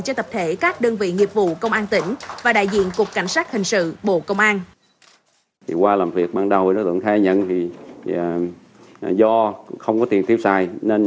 cho tập thể các đơn vị nghiệp vụ công an tỉnh và đại diện cục cảnh sát hình sự bộ công an